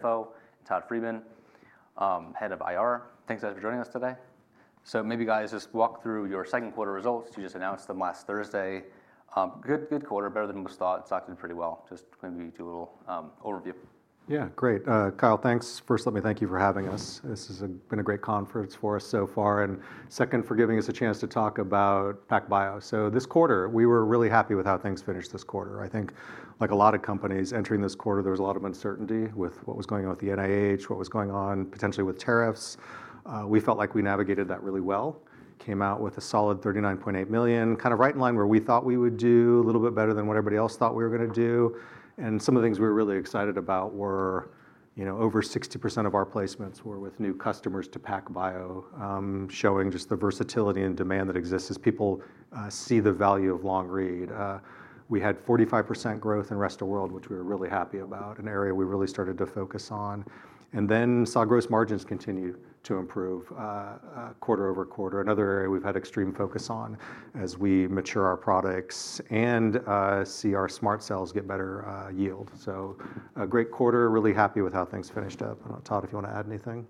Hello, Todd Friedman, Head of IR. Thanks guys for joining us today. Maybe you guys just walk through your second quarter results. You just announced them last Thursday. Good, good quarter, better than most thought. Stock did pretty well. Maybe do a little overview. Yeah, great. Kyle, thanks. First, let me thank you for having us. This has been a great conference for us so far. Second, for giving us a chance to talk about PacBio. This quarter, we were really happy with how things finished this quarter. I think, like a lot of companies entering this quarter, there was a lot of uncertainty with what was going on with the NIH, what was going on potentially with tariffs. We felt like we navigated that really well. Came out with a solid $39.8 million, kind of right in line where we thought we would do, a little bit better than what everybody else thought we were going to do. Some of the things we were really excited about were, you know, over 60% of our placements were with new customers to PacBio, showing just the versatility and demand that exists as people see the value of long-read. We had 45% growth in the rest of the world, which we were really happy about, an area we really started to focus on. We saw gross margins continue to improve, quarter-over-quarter, another area we've had extreme focus on as we mature our products and see our SMRT Cells get better yield. A great quarter, really happy with how things finished up. I don't know, Todd, if you want to add anything?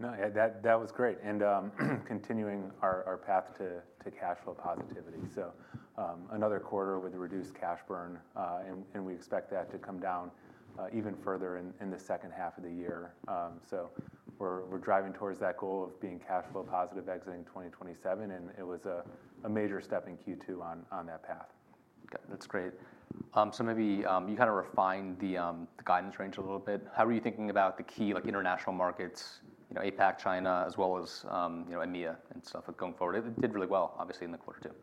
That was great. Continuing our path to cash flow positivity, another quarter with a reduced cash burn, and we expect that to come down even further in the second half of the year. We're driving towards that goal of being cash flow positive exiting 2027, and it was a major step in Q2 on that path. That's great. Maybe you kind of refined the guidance range a little bit. How are you thinking about the key, like, international markets, you know, APAC, China, as well as, you know, EMEA and stuff going forward? It did really well, obviously, in the quarter too.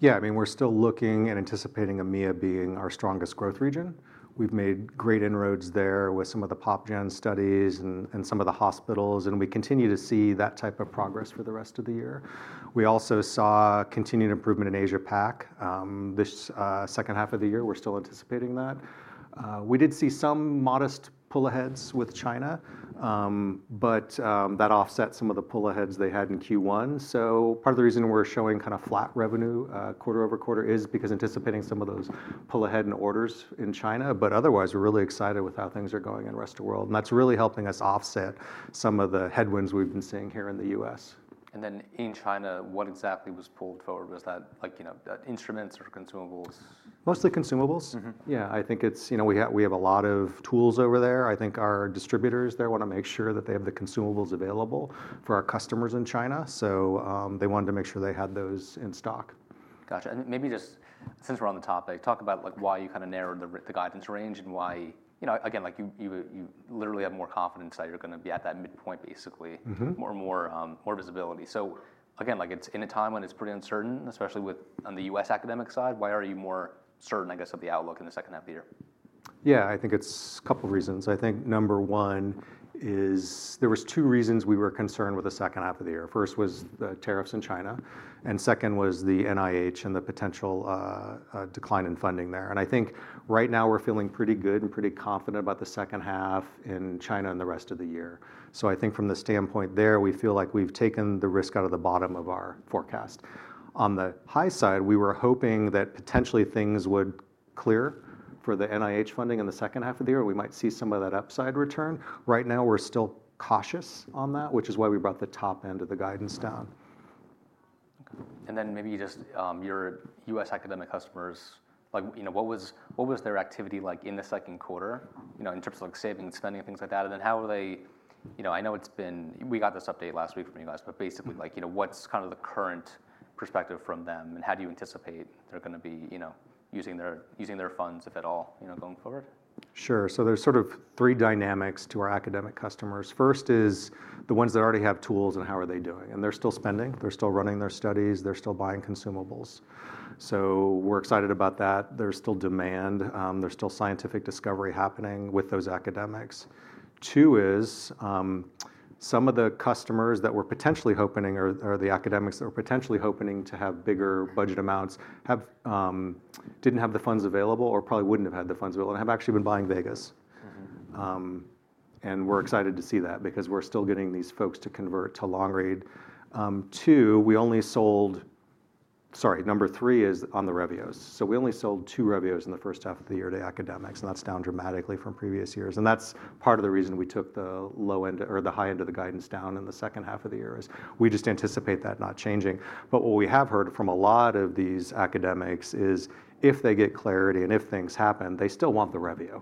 Yeah, I mean, we're still looking and anticipating EMEA being our strongest growth region. We've made great inroads there with some of the pop-gen studies and some of the hospitals, and we continue to see that type of progress for the rest of the year. We also saw continued improvement in Asia-Pac, this second half of the year. We're still anticipating that. We did see some modest pull aheads with China, but that offset some of the pull aheads they had in Q1. Part of the reason we're showing kind of flat revenue, quarter-over-quarter, is because anticipating some of those pull ahead in orders in China, but otherwise we're really excited with how things are going in the rest of the world. That's really helping us offset some of the headwinds we've been seeing here in the U.S. In China, what exactly was pulled forward? Was that, you know, instruments or consumables? Mostly consumables. I think it's, you know, we have a lot of tools over there. I think our distributors there want to make sure that they have the consumables available for our customers in China. They wanted to make sure they had those in stock. Gotcha. Maybe just since we're on the topic, talk about why you kind of narrowed the guidance range and why you literally have more confidence that you're going to be at that midpoint, basically, more and more visibility. It's in a time when it's pretty uncertain, especially with the U.S. academic side. Why are you more certain, I guess, of the outlook in the second half of the year? Yeah, I think it's a couple of reasons. I think number one is there were two reasons we were concerned with the second half of the year. First was the tariffs in China, and second was the NIH and the potential decline in funding there. I think right now we're feeling pretty good and pretty confident about the second half in China and the rest of the year. I think from the standpoint there, we feel like we've taken the risk out of the bottom of our forecast. On the high side, we were hoping that potentially things would clear for the NIH funding in the second half of the year. We might see some of that upside return. Right now we're still cautious on that, which is why we brought the top end of the guidance down. Maybe your U.S. academic customers, what was their activity like in the second quarter? In terms of savings, spending, things like that, how are they? I know we got this update last week from you guys, but basically, what's the current perspective from them and how do you anticipate they're going to be using their funds, if at all, going forward? Sure. There are sort of three dynamics to our academic customers. First is the ones that already have tools and how are they doing? They're still spending, they're still running their studies, they're still buying consumables. We're excited about that. There's still demand, there's still scientific discovery happening with those academics. Two is, some of the customers that we're potentially hoping or the academics that we're potentially hoping to have bigger budget amounts didn't have the funds available or probably wouldn't have had the funds available and have actually been buying Vegas. We're excited to see that because we're still getting these folks to convert to long-read. Three is on the Revio. We only sold two Revios in the first-half of the year to academics, and that's down dramatically from previous years. That's part of the reason we took the high end of the guidance down in the second half of the year. We just anticipate that not changing. What we have heard from a lot of these academics is if they get clarity and if things happen, they still want the Revio.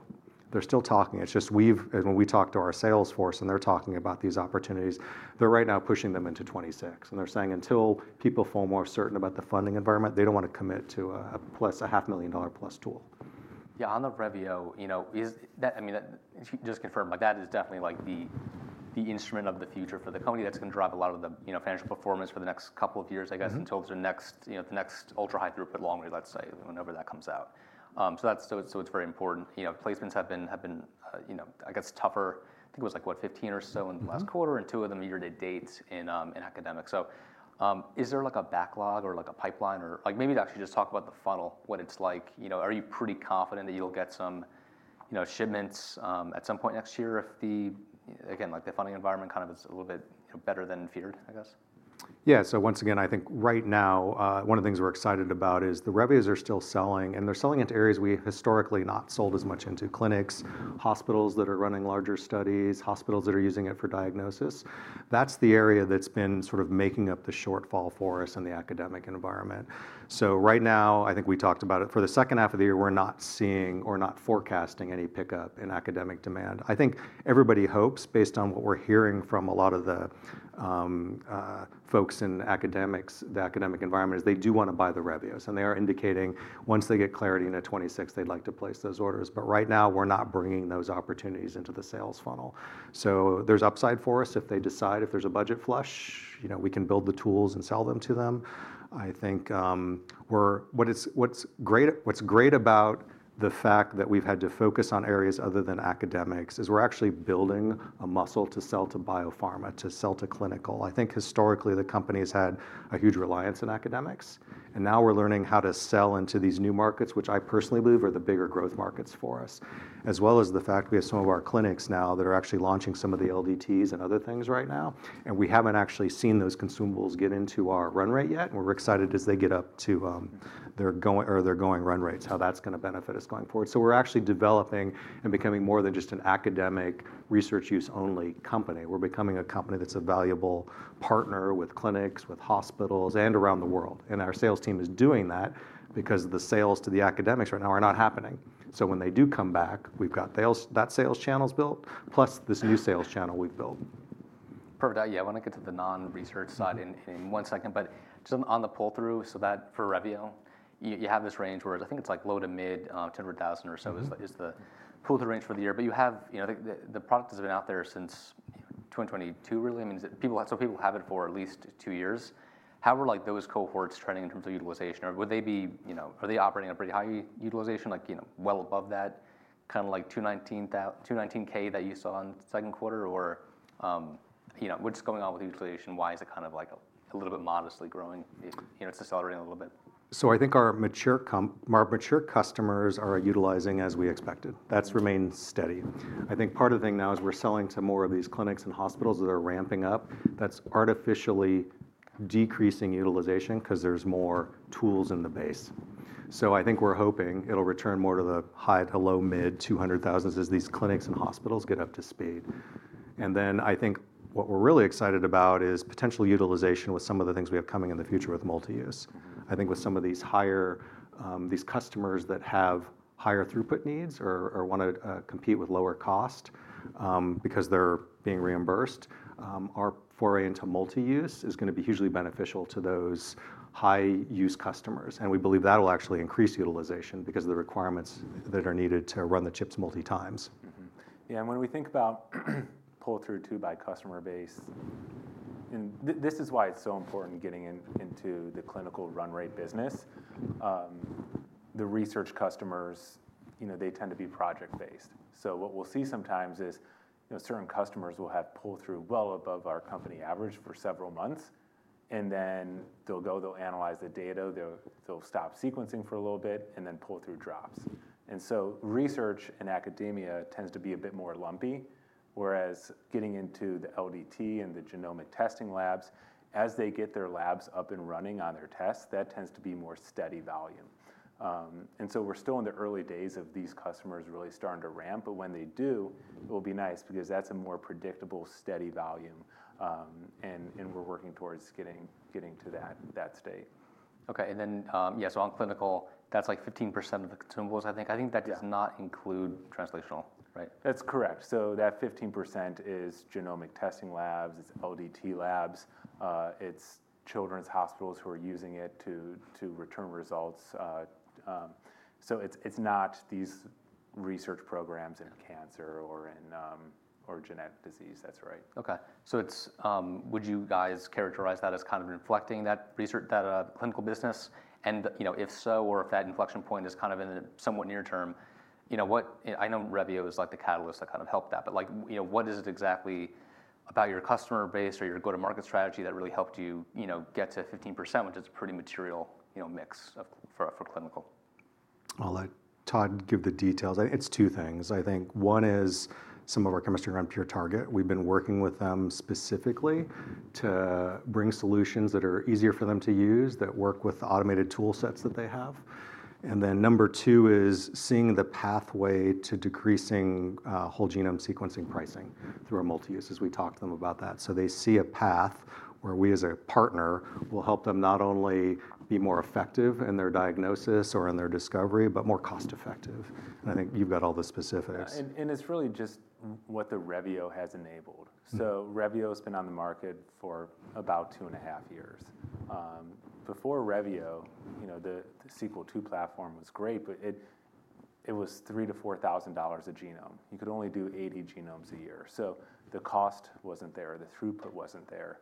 They're still talking. When we talk to our sales force and they're talking about these opportunities, they're right now pushing them into 2026. They're saying until people feel more certain about the funding environment, they don't want to commit to a $500,000+ tool. Yeah, on the Revio, you know, is that, I mean, just confirm, like that is definitely like the instrument of the future for the company that's going to drive a lot of the, you know, financial performance for the next couple of years, I guess, until the next, you know, the next ultra-high throughput longer, let's say, whenever that comes out. It's very important. Placements have been, you know, I guess tougher. I think it was like what, 15 or so in the last quarter and two of them year to date in academics. Is there like a backlog or like a pipeline or maybe to actually just talk about the funnel, what it's like, you know, are you pretty confident that you'll get some, you know, shipments at some point next year if the, again, like the funding environment kind of is a little bit, you know, better than feared, I guess? Yeah, so once again, I think right now, one of the things we're excited about is the Revios are still selling and they're selling into areas we historically not sold as much into: clinics, hospitals that are running larger studies, hospitals that are using it for diagnosis. That's the area that's been sort of making up the shortfall for us in the academic environment. Right now, I think we talked about it for the second half of the year, we're not seeing or not forecasting any pickup in academic demand. I think everybody hopes based on what we're hearing from a lot of the folks in academics, the academic environment is they do want to buy the Revios and they are indicating once they get clarity in 2026, they'd like to place those orders. Right now we're not bringing those opportunities into the sales funnel. There's upside for us if they decide if there's a budget flush, you know, we can build the tools and sell them to them. What's great about the fact that we've had to focus on areas other than academics is we're actually building a muscle to sell to biopharma, to sell to clinical. I think historically the company has had a huge reliance on academics, and now we're learning how to sell into these new markets, which I personally believe are the bigger growth markets for us, as well as the fact we have some of our clinics now that are actually launching some of the LDTs and other things right now. We haven't actually seen those consumables get into our run rate yet. We're excited as they get up to, they're going, or they're going run rates, how that's going to benefit us going forward. We're actually developing and becoming more than just an academic research use only company. We're becoming a company that's a valuable partner with clinics, with hospitals, and around the world. Our sales team is doing that because the sales to the academics right now are not happening. When they do come back, we've got that sales channel built, plus this new sales channel we've built. Perfect. I want to get to the non-research side in one second, but just on the pull-through, for the Revio, you have this range where I think it's like low to mid $200,000 or so is the pull-through range for the year. You have, you know, the product has been out there since 2022, really. I mean, people have it for at least two years. How were those cohorts trending in terms of utilization? Are they operating at a pretty high utilization, like, you know, well above that, kind of like $219,000, that you saw in the second quarter? What's going on with the utilization? Why is it kind of like a little bit modestly growing? It's accelerating a little bit. I think our mature customers are utilizing as we expected. That's remained steady. I think part of the thing now is we're selling to more of these clinics and hospitals that are ramping up. That's artificially decreasing utilization because there's more tools in the base. I think we're hoping it'll return more to the high to low mid $200,000s as these clinics and hospitals get up to speed. What we're really excited about is potential utilization with some of the things we have coming in the future with multi-use. I think with some of these customers that have higher throughput needs or want to compete with lower cost, because they're being reimbursed, our foray into multi-use is going to be hugely beneficial to those high-use customers. We believe that will actually increase utilization because of the requirements that are needed to run the chips multi-times. Yeah, and when we think about pull-through too by customer base, this is why it's so important getting into the clinical run rate business. The research customers, you know, they tend to be project-based. What we'll see sometimes is, you know, certain customers will have pull-through well above our company average for several months. Then they'll go, they'll analyze the data, they'll stop sequencing for a little bit, and then pull-through drops. Research in academia tends to be a bit more lumpy, whereas getting into the LDT and the genomic testing labs, as they get their labs up and running on their tests, that tends to be more steady volume. We're still in the early days of these customers really starting to ramp, but when they do, it will be nice because that's a more predictable, steady volume. We're working towards getting to that state. Okay. On clinical, that's like 15% of the consumables, I think. I think that does not include translational, right? That's correct. That 15% is genomic testing labs, it's LDT labs, it's children's hospitals who are using it to return results. It's not these research programs in cancer or in genetic disease. That's right. Okay. Would you guys characterize that as kind of inflecting that research, that clinical business? If so, or if that inflection point is kind of in a somewhat near term, what, I know Revio is like the catalyst that kind of helped that, but what is it exactly about your customer base or your go-to-market strategy that really helped you get to 15%, which is a pretty material mix for clinical? I think Todd can give the details. It's two things. I think one is some of our chemistry around PureTarget. We've been working with them specifically to bring solutions that are easier for them to use, that work with automated tool sets that they have. Number two is seeing the pathway to decreasing whole genome sequencing pricing through a multi-use as we talk to them about that. They see a path where we as a partner will help them not only be more effective in their diagnosis or in their discovery, but more cost-effective. I think you've got all the specifics. It's really just what the Revio has enabled. Revio has been on the market for about two and a half years. Before Revio, you know, the Sequel II platform was great, but it was $3,000-$4,000 a genome. You could only do 80 genomes a year. The cost wasn't there, the throughput wasn't there.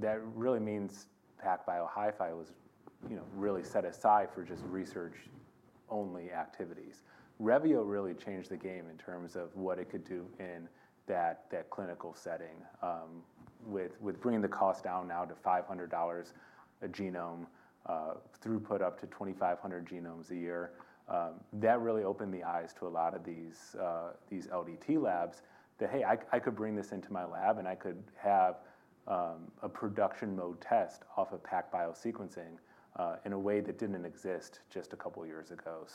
That really means PacBio HiFi was, you know, really set aside for just research-only activities. Revio really changed the game in terms of what it could do in that clinical setting, with bringing the cost down now to $500 a genome, throughput up to 2,500 genomes a year. That really opened the eyes to a lot of these LDT labs that, hey, I could bring this into my lab and I could have a production mode test off of PacBio sequencing, in a way that didn't exist just a couple of years ago.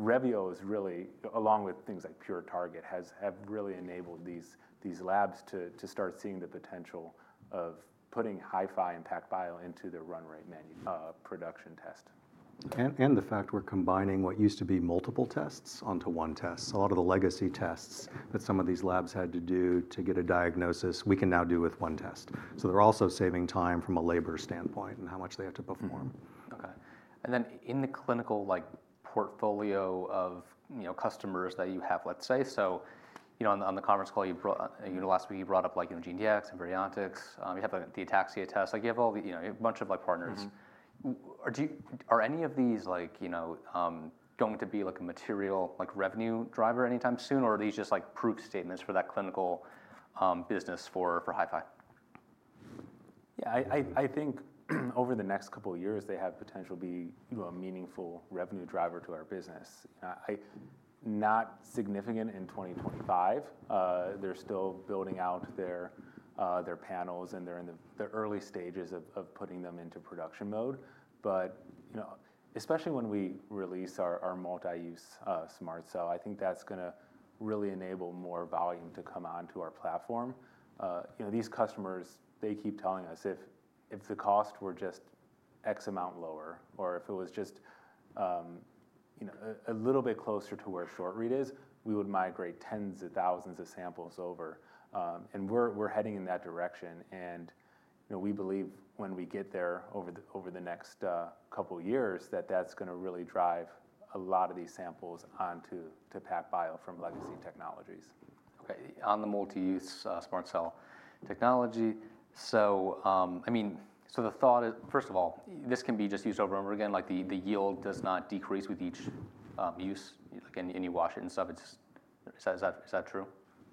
Revio is really, along with things like PureTarget, has really enabled these labs to start seeing the potential of putting HiFi and PacBio into their run rate manufacturing production test. The fact we're combining what used to be multiple tests onto one test means a lot of the legacy tests that some of these labs had to do to get a diagnosis, we can now do with one test. They're also saving time from a labor standpoint and how much they have to perform. Okay. In the clinical portfolio of customers that you have, let's say, on the conference call you brought up last week, you brought up Gene Gx, Variantics, you have the Ataxia test, you have a bunch of partners. Are any of these going to be a material revenue driver anytime soon? Or are these just proof statements for that clinical business for HiFi? I think over the next couple of years they have potential to be a meaningful revenue driver to our business. Not significant in 2025. They're still building out their panels and they're in the early stages of putting them into production mode. Especially when we release our multi-use SMRT Cells, I think that's going to really enable more volume to come onto our platform. These customers keep telling us if the cost were just X amount lower, or if it was just a little bit closer to where short-read is, we would migrate tens of thousands of samples over. We're heading in that direction. We believe when we get there over the next couple of years, that's going to really drive a lot of these samples onto PacBio from legacy technologies. Okay, on the multi-use SMRT Cell technology, the thought is, first of all, this can be just used over and over again, like the yield does not decrease with each use, like if you wash it and stuff. Is that true?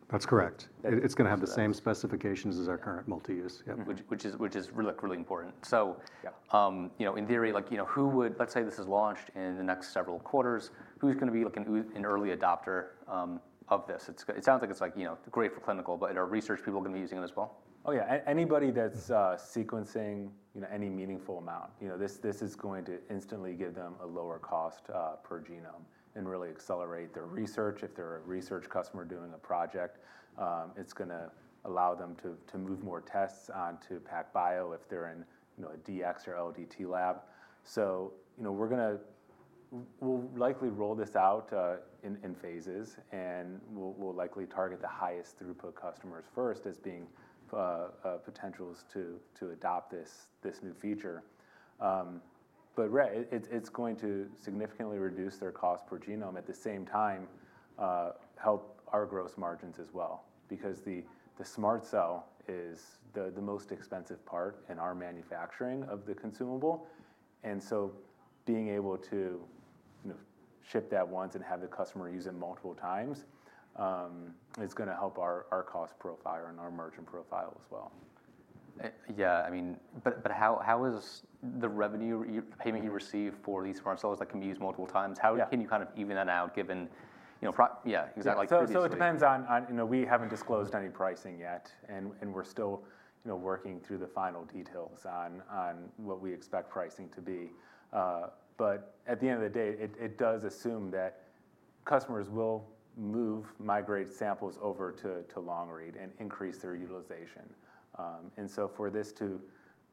That's correct. It's going to have the same specifications as our current multi-use SMRT Cells. Yeah, which is really, really important. In theory, like, you know, who would, let's say this is launched in the next several quarters, who's going to be like an early adopter of this? It sounds like it's great for clinical, but are research people going to be using it as well? Oh yeah, anybody that's sequencing any meaningful amount, you know, this is going to instantly give them a lower cost per genome and really accelerate their research. If they're a research customer doing a project, it's going to allow them to move more tests onto PacBio if they're in, you know, a DX or LDT lab. We're going to likely roll this out in phases and we'll likely target the highest throughput customers first as being potentials to adopt this new feature. It's going to significantly reduce their cost per genome at the same time, help our gross margins as well because the SMRT Cell is the most expensive part in our manufacturing of the consumable. Being able to ship that once and have the customer use it multiple times is going to help our cost profile and our margin profile as well. Yeah, I mean, how is the revenue payment you receive for these SMRT Cells that can be used multiple times? How can you kind of even that out given, you know, yeah, exactly. It depends on, you know, we haven't disclosed any pricing yet and we're still working through the final details on what we expect pricing to be. At the end of the day, it does assume that customers will move, migrate samples over to long-read and increase their utilization. For this to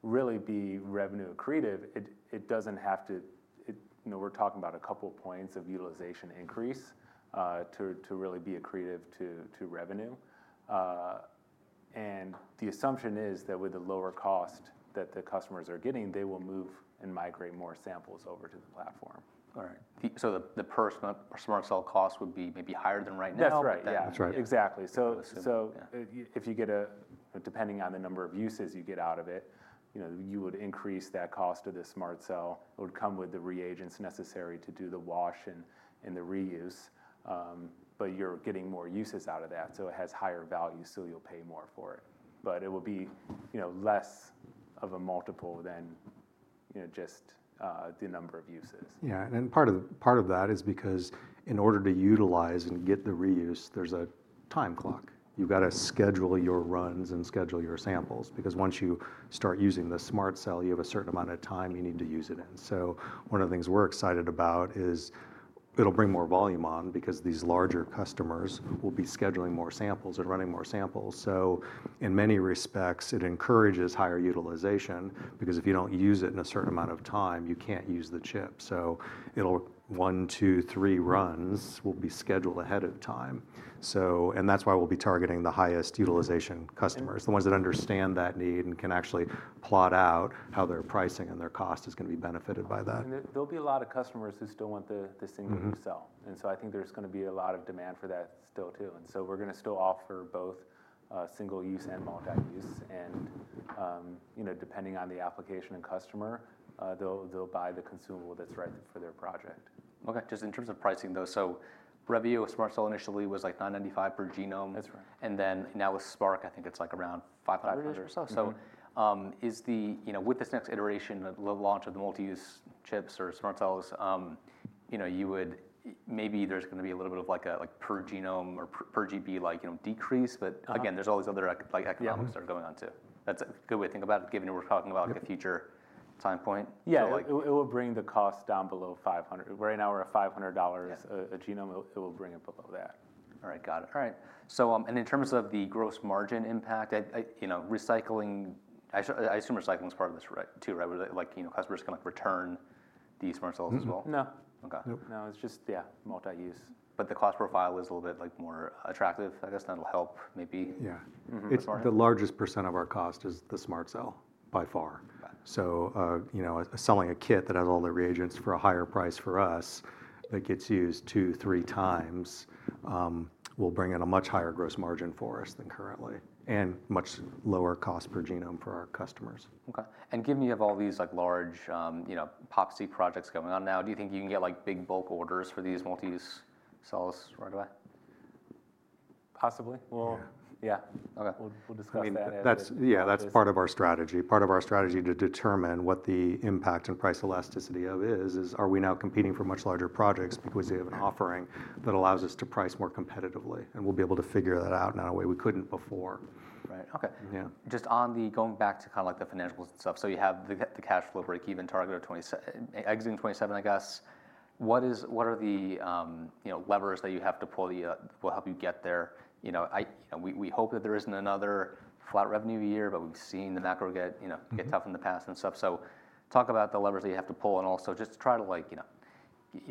really be revenue accretive, it doesn't have to, you know, we're talking about a couple of points of utilization increase to really be accretive to revenue. The assumption is that with a lower cost that the customers are getting, they will move and migrate more samples over to the platform. All right. The per SMRT Cell cost would be maybe higher than right now. That's right. Exactly. If you get a, depending on the number of uses you get out of it, you would increase that cost of the SMRT Cell. It would come with the reagents necessary to do the wash and the reuse, but you're getting more uses out of that. It has higher value, so you'll pay more for it, but it will be less of a multiple than just the number of uses. Part of that is because in order to utilize and get the reuse, there's a time clock. You've got to schedule your runs and schedule your samples because once you start using the SMRT Cell, you have a certain amount of time you need to use it in. One of the things we're excited about is it'll bring more volume on because these larger customers will be scheduling more samples and running more samples. In many respects, it encourages higher utilization because if you don't use it in a certain amount of time, you can't use the chip. One, two, three runs will be scheduled ahead of time, and that's why we'll be targeting the highest utilization customers, the ones that understand that need and can actually plot out how their pricing and their cost is going to be benefited by that. There will be a lot of customers who still want the single cell. I think there's going to be a lot of demand for that still too. We are going to still offer both, single use and multi-use. Depending on the application and customer, they'll buy the consumable that's right for their project. Okay. Just in terms of pricing though, so Revio SMRT Cell initially was like $9.95 per genome. That's right. Now with Spark, I think it's like around $500 or so. With this next iteration, the launch of the multi-use chips or SMRT Cells, maybe there's going to be a little bit of a per genome or per GB decrease. Again, there are all these other economics that are going on too. That's a good way to think about it, given we're talking about a future time point. Yeah, it will bring the cost down below $500. Right now we're at $500 a genome. It will bring it below that. All right, got it. All right. In terms of the gross margin impact, I assume recycling is part of this too, right? Were they like, you know, customers can like return these SMRT Cells as well? No. No, it's just, yeah, multi-use. The cost profile is a little bit more attractive, I guess that'll help maybe? Yeah. It's the largest percent of our cost is the SMRT Cell by far. Selling a kit that has all the reagents for a higher price for us that gets used two, three times will bring in a much higher gross margin for us than currently, and much lower cost per genome for our customers. Okay. Given you have all these large, you know, epoxy projects going on now, do you think you can get big bulk orders for these multi-use SMRT Cells right away? Possibly. Yeah. Will discuss that. Yeah, that's part of our strategy to determine what the impact and price elasticity is. Are we now competing for much larger projects because we have an offering that allows us to price more competitively, and we'll be able to figure that out in a way we couldn't before. Right. Okay. Yeah. Just on the, going back to kind of like the financial stuff. You have the cash flow break even target of 2027, exiting 2027, I guess. What are the, you know, levers that you have to pull that will help you get there? We hope that there isn't another flat revenue year, but we've seen the macro get tough in the past. Talk about the levers that you have to pull and also just try to, like,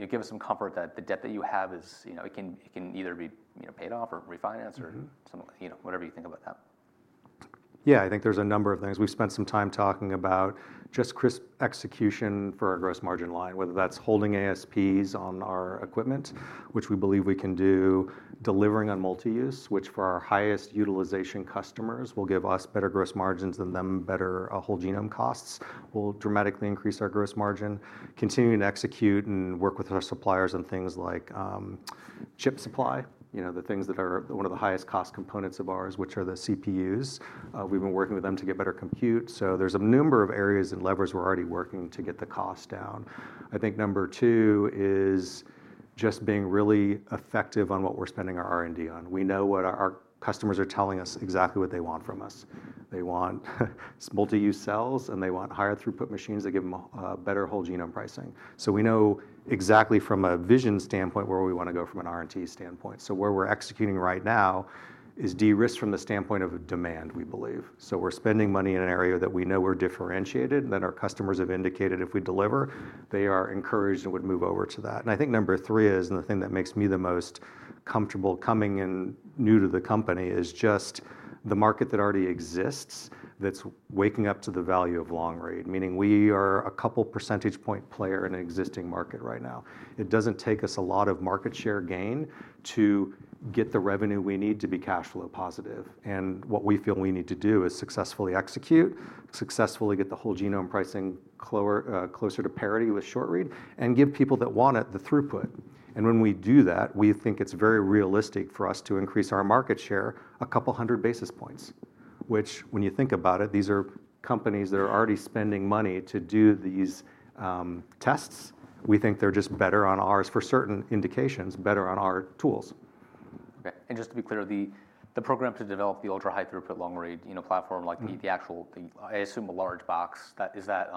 give us some comfort that the debt that you have is, you know, it can either be paid off or refinanced or some, you know, whatever you think about that. Yeah, I think there's a number of things we've spent some time talking about. Just crisp execution for our gross margin line, whether that's holding ASPs on our equipment, which we believe we can do, delivering on multi-use, which for our highest utilization customers will give us better gross margins and them better whole genome costs, will dramatically increase our gross margin, continue to execute and work with our suppliers on things like chip supply, you know, the things that are one of the highest cost components of ours, which are the CPUs. We've been working with them to get better compute. There's a number of areas and levers we're already working to get the cost down. I think number two is just being really effective on what we're spending our R&D on. We know what our customers are telling us exactly what they want from us. They want multi-use SMRT Cells and they want higher throughput machines that give them a better whole genome pricing. We know exactly from a vision standpoint where we want to go from an R&D standpoint. Where we're executing right now is de-risk from the standpoint of demand, we believe. We're spending money in an area that we know we're differentiated and that our customers have indicated if we deliver, they are encouraged and would move over to that. I think number three is, and the thing that makes me the most comfortable coming in new to the company, is just the market that already exists that's waking up to the value of long-read, meaning we are a couple percentage point player in an existing market right now. It doesn't take us a lot of market share gain to get the revenue we need to be cash flow positive. What we feel we need to do is successfully execute, successfully get the whole genome pricing closer to parity with short-read, and give people that want it the throughput. When we do that, we think it's very realistic for us to increase our market share a couple hundred basis points, which when you think about it, these are companies that are already spending money to do these tests. We think they're just better on ours for certain indications, better on our tools. Okay. Just to be clear, the program to develop the ultra-high throughput long-read platform, like the actual, I assume a large box, is that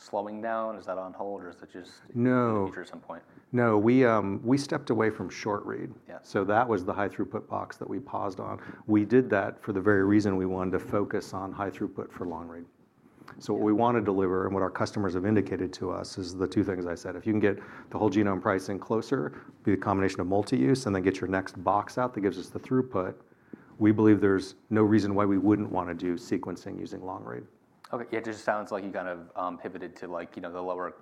slowing down? Is that on hold or is that just a future at some point? We stepped away from short read. That was the high throughput box that we paused on. We did that for the very reason we wanted to focus on high throughput for long read. What we want to deliver and what our customers have indicated to us is the two things I said. If you can get the whole genome pricing closer, be the combination of multi-use, and then get your next box out that gives us the throughput, we believe there's no reason why we wouldn't want to do sequencing using long read. Okay. Yeah, it just sounds like you kind of pivoted to, you know, the lower,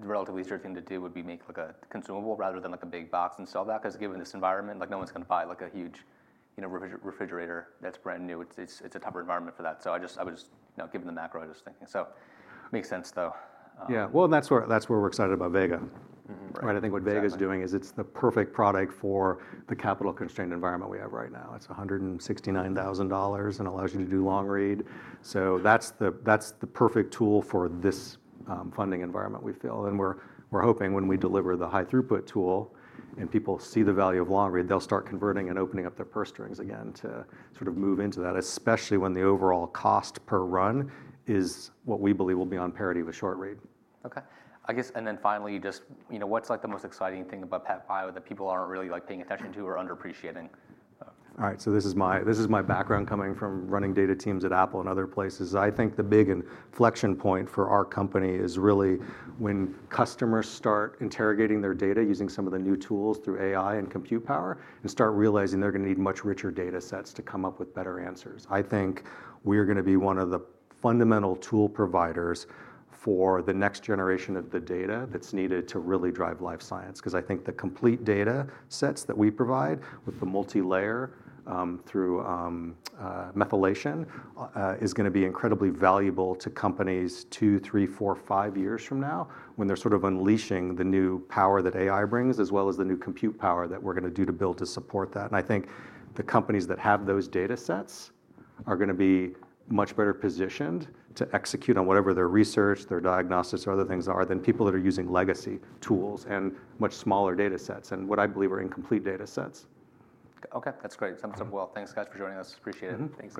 the relatively easiest thing to do would be make a consumable rather than a big box and sell that, because given this environment, no one's going to buy a huge, you know, refrigerator that's brand new. It's a tougher environment for that. I was, you know, given the macro, just thinking, it makes sense though. That's where we're excited about Vega. I think what Vega is doing is it's the perfect product for the capital constrained environment we have right now. It's $169,000 and allows you to do long read. That's the perfect tool for this funding environment, we feel. We're hoping when we deliver the high throughput tool and people see the value of long read, they'll start converting and opening up their purse strings again to sort of move into that, especially when the overall cost per run is what we believe will be on parity with short read. Okay. I guess, and then finally, you just, you know, what's like the most exciting thing about PacBio that people aren't really like paying attention to or underappreciating? This is my background coming from running data teams at Apple and other places. I think the big inflection point for our company is really when customers start interrogating their data using some of the new tools through AI and compute power and start realizing they're going to need much richer data sets to come up with better answers. I think we are going to be one of the fundamental tool providers for the next generation of the data that's needed to really drive life science. I think the complete data sets that we provide with the multi-layer, through, methylation, is going to be incredibly valuable to companies two, three, four, five years from now when they're sort of unleashing the new power that AI brings, as well as the new compute power that we're going to do to build to support that. I think the companies that have those data sets are going to be much better positioned to execute on whatever their research, their diagnostics, or other things are than people that are using legacy tools and much smaller data sets and what I believe are incomplete data sets. Okay. That's great. Thanks, guys, for joining us. Appreciate it. Thanks.